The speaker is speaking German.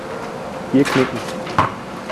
Hier knicken.